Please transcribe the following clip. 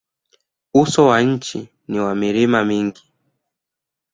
Uso wa nchi ni wa milima mingi.